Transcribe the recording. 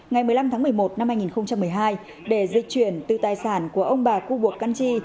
ngày một mươi năm tháng một mươi một năm hai nghìn một mươi hai để diệt chuyển từ tài sản của ông bà cưu buộc căn trì